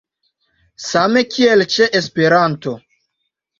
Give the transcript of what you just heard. Same kiel ĉe Esperanto.